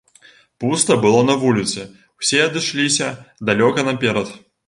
Пуста было на вуліцы, усе адышліся далёка наперад.